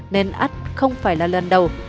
nên ắt không phải là lần đầu